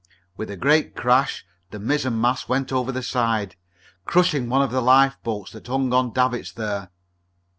With a great crash the mizzen mast went over the side, crushing one of the lifeboats that hung on davits there.